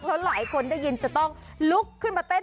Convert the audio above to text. เพราะหลายคนได้ยินจะต้องลุกขึ้นมาเต้น